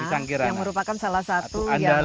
yang merupakan salah satu